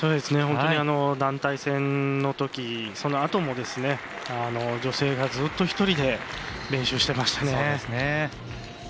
本当に団体戦のときそのあとも、女性がずっと１人で練習してましたね。